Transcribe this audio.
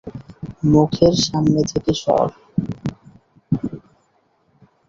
মুখের সামনে থেকে সর!